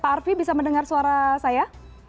pak arfi bisa mendengar suara saya